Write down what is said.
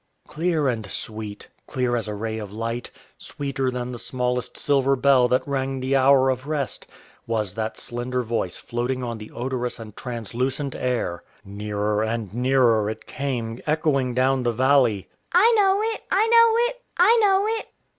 Clear and sweet clear as a ray of light, sweeter than the smallest silver bell that rang the hour of rest was that slender voice floating on the odorous and translucent air. Nearer and nearer it came, echoing down the valley, "I know it, I know it, I know it!"